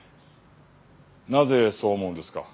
なぜそう思うんですか？